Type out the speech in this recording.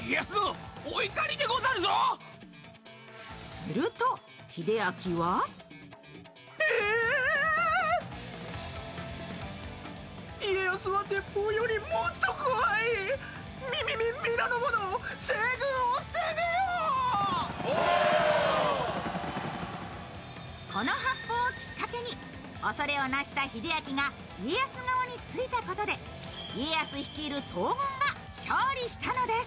すると、秀秋はこの発砲をきっかけに恐れをなした秀秋が家康側についたことで家康率いる東軍が勝利したのです。